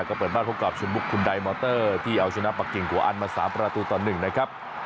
ก็เปิดบ้านพบกับชนบุคคุณไดมอตเตอร์ที่เอาชนะปะเกงกว่าอันมาสามประตูต่อหนึ่งนะครับ